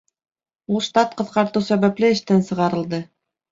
Ул штат ҡыҫҡартыу сәбәпле эштән сығарылды